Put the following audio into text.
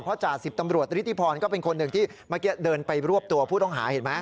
เพราะจ่าสิบตำรวจฤทธิพรก็เป็นคนหนึ่งที่เมื่อกี้เดินไปรวบตัวผู้ต้องหาเห็นไหม